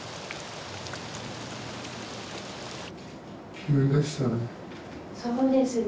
急でしたね。